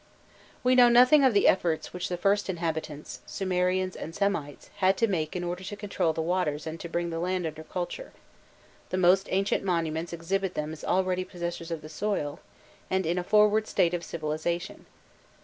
We know nothing of the efforts which the first inhabitants Sumerians and Semites had to make in order to control the waters and to bring the land under culture: the most ancient monuments exhibit them as already possessors of the soil, and in a forward state of civilization.